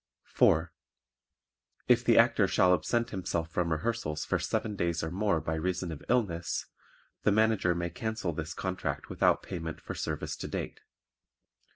4. If the Actor shall absent himself from rehearsals for seven days or more by reason of illness, the Manager may cancel this contract without payment for service to date.